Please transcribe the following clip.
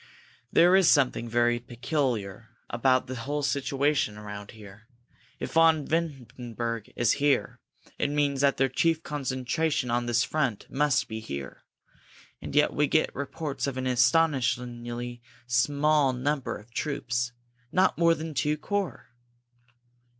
"There is something very peculiar about the whole situation around here! If von Hindenburg is here, it means that their chief concentration on this front must be here. And yet we get reports of an astonishingly small number of troops! Not more than two corps."